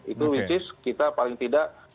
itu yang paling tidak